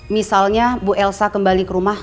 misalnya bu elsa kembali ke rumah